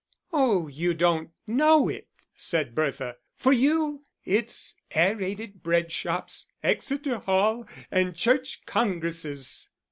"Oh, you don't know it," said Bertha; "for you it's Aerated Bread shops, Exeter Hall, and Church Congresses."